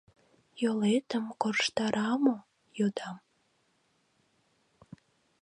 — Йолетым корштара мо? — йодам.